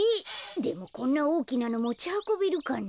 でもこんなおおきなのもちはこべるかな？